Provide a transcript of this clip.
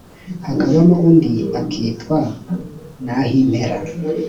hakabamo undi akitwa nahimpera;